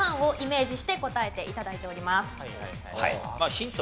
ヒント